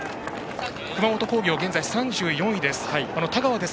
熊本工業、現在３４位です。